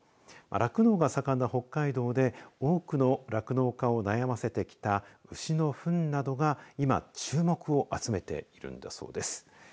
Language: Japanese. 酪農が盛んな北海道で多くの酪農家を悩ませてきた牛のふんなどが、今注目を集めているんですそうです。